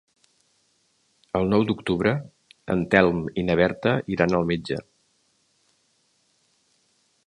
El nou d'octubre en Telm i na Berta iran al metge.